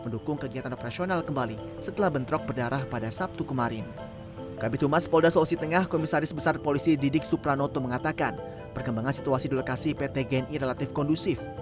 di lokasi pt gni relatif kondusif